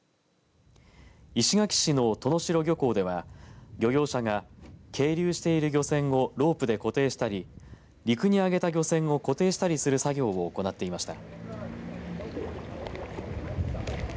石垣市の登野城漁港では漁業者が係留している漁船をロープで固定したり陸に揚げた漁船を固定したりする作業を行っていました。